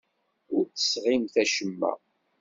Ur d-tesɣimt acemma.